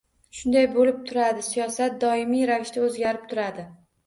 Shunday bo‘lib turadi, siyosat doimiy ravishda o‘zgarib turadi.